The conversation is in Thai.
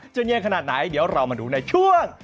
เย็นขนาดไหนเดี๋ยวเรามาดูในช่วง